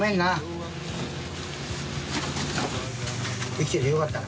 生きててよかったな。